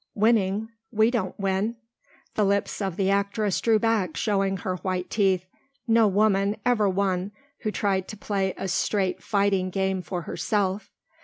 "Winning! We don't win." The lips of the actress drew back showing her white teeth. "No woman ever won who tried to play a straight fighting game for herself."